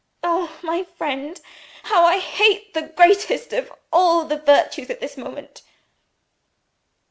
Oh, my friend, how I hate the greatest of all the virtues at this moment!"